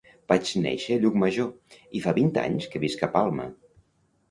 Vaig néixer a Llucmajor i fa vint anys que visc a Palma.